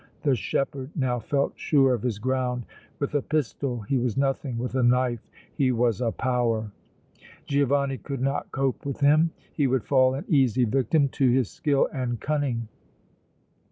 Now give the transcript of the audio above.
The shepherd now felt sure of his ground. With a pistol he was nothing, with a knife he was a power! Giovanni could not cope with him; he would fall an easy victim to his skill and cunning!